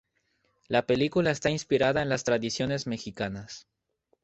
La película está inspirada en las tradiciones mexicanas.